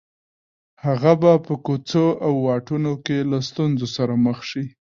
هغه به په کوڅو او واټونو کې له ستونزو سره مخ شي